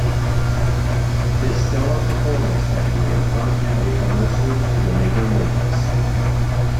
His stellar performance that year earned him a promotion to the major leagues.